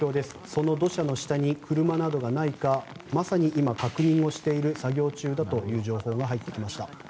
その土砂の下に、車などがないかまさに今、確認をしている作業中だという情報が入ってきました。